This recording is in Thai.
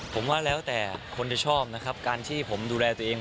ผมว่าแล้วแต่คนจะชอบนะครับการที่ผมดูแลตัวเอง